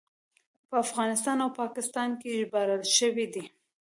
په افغانستان او پاکستان کې ژباړل شوی دی.